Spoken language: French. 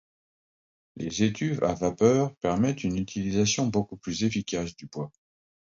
Les étuves à vapeur permettent une utilisation beaucoup plus efficace du bois.